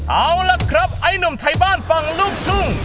เอาล่ะครับไอ้หนุ่มไทยบ้านฝั่งลูกทุ่ง